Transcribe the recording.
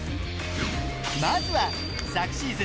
まずは昨シーズン